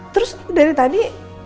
terus dari tadi